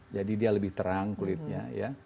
jadi dia lebih terang kulitnya ya